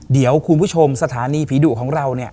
เดี๋ยวคุณผู้ชมสถานีผีดุของเราเนี่ย